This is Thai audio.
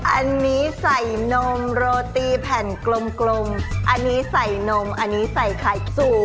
อันนี้ใส่นมโรตีแผ่นกลมอันนี้ใส่นมอันนี้ใส่ไข่สุ